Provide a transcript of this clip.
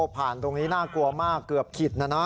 ตรงนี้น่ากลัวมากเกือบขิดนะนะ